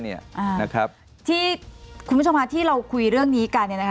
ที่คุณผู้ชมภาคที่เราคุยเรื่องนี้กัน